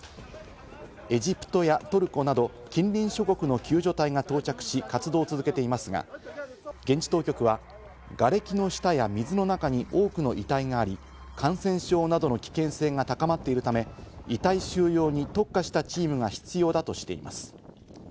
エジプトやトルコなど近隣諸国の救助隊が到着し活動を続けていますが、現地当局は、がれきの下や水の中に多くの遺体があり、感染症などの危険性が高まっているため、遺体収容に特化したチームが必要だとしています。